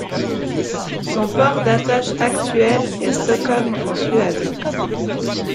Son port d'attache actuel est Stockholm en Suède.